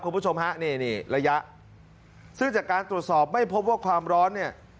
คุณผู้ชมฮะนี่นี่ระยะซึ่งจากการตรวจสอบไม่พบว่าความร้อนเนี่ย